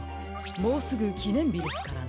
もうすぐきねんびですからね。